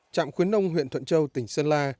trạm khuyến nông huyện thuận châu tỉnh sơn la